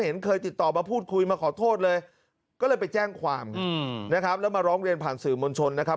เห็นเคยติดต่อมาพูดคุยมาขอโทษเลยก็เลยไปแจ้งความนะครับแล้วมาร้องเรียนผ่านสื่อมวลชนนะครับ